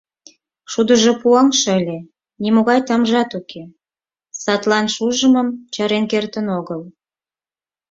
Шудыжо пуаҥше ыле, нимогай тамжат уке, садлан шужымым чарен кертын огыл.